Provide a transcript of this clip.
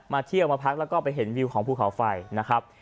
เที่ยวมาพักแล้วก็ไปเห็นวิวของภูเขาไฟนะครับ